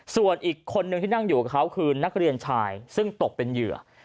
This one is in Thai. ส่วนอีกคนนึงที่นั่งอยู่กับเขาคือนักเรียนชายซึ่งตกเป็นเหยื่อ